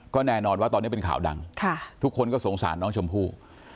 ก็แน่นอนว่าตอนนี้เป็นข่าวดังทุกคนก็สงสารน้องชมพู่